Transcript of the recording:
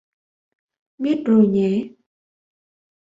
Biết rồi nhé